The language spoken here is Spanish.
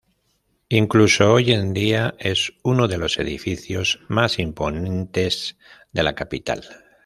Incluso hoy en día es uno de los edificios más imponentes de la capital.